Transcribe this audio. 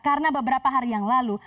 karena beberapa hari yang lalu